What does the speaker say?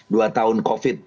dua tahun covid